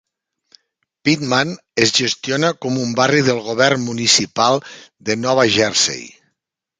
Pitman es gestiona com un barri del govern municipal de Nova Jersey.